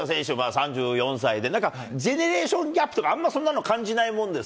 ３４歳で、ジェネレーションギャップとか、あんまそんなの感じないもんです